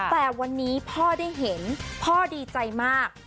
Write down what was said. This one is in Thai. แต่วันนี้พ่อได้เห็นพ่อดีใจมาก